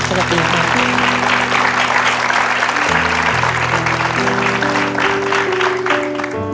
สวัสดีครับ